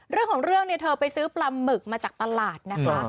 เรื่องของเรื่องเนี่ยเธอไปซื้อปลาหมึกมาจากตลาดนะคะ